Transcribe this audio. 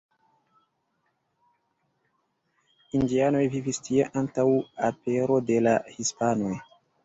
Indianoj vivis tie antaŭ apero de la hispanoj.